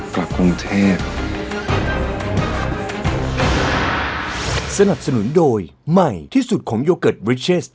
กลับกรุงเทพสนับสนุนโดยใหม่ที่สุดของโยเกิร์ต